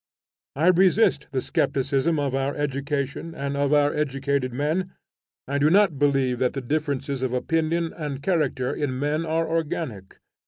I resist the skepticism of our education and of our educated men. I do not believe that the differences of opinion and character in men are organic.